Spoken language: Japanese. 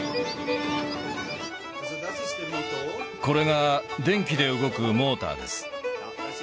これが電気で動くモーターです